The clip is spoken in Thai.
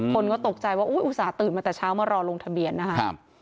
คนก็ตกใจว่าอุ๊สตื่นมาแต่เช้ามารอลงทะเบียนนะครับ